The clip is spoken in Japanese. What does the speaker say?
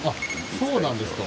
そうなんですか。